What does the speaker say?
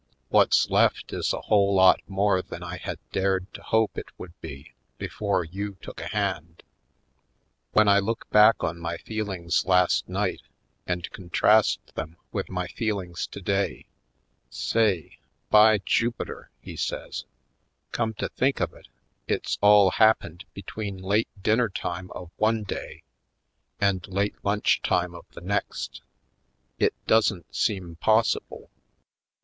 What's left is a whole lot more than I had dared to hope it would be before you took a hand. When I look back on my feelings last night and contrast them with my feelings today — say, by Jupiter!" he says, "come to think of it, it's all happened between late dinner time of one day and late lunch time of the next! It doesn't seem possible!